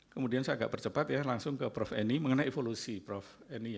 kemudian saya agak percepat ya langsung ke prof eni mengenai evolusi prof eni